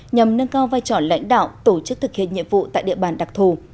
nhằm nâng cao vai trò lãnh đạo tổ chức thực hiện nhiệm vụ tại địa bàn đặc thù